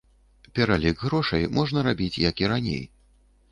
Пералік грошай можна рабіць як і раней.